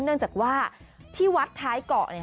เนื่องจากว่าที่วัดท้ายเกาะ